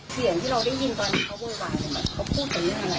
เสียงที่เราได้ยินตอนนี้เขาโวยวายอย่างไร